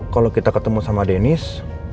kalau kita ketemu sama denis